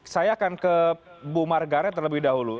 saya akan ke bu margaret terlebih dahulu